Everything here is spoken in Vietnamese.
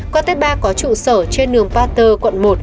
qua tết ba có trụ sở trên nường pater quận một